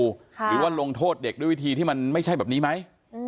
หรือว่าลงโทษเด็กด้วยวิธีที่มันไม่ใช่แบบนี้ไหม